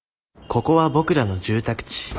ここは僕らの住宅地。